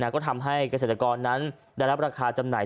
ก็ทำให้เกษตรกรนั้นได้รับราคาจำหน่าย